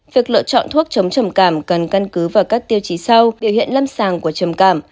việc lựa chọn thuốc chống trầm cảm cần căn cứ vào các tiêu chí sau biểu hiện lâm sàng của trầm cảm